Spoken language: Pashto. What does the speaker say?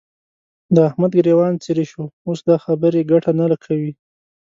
د احمد ګرېوان څيرې شو؛ اوس دا خبرې ګټه نه کوي.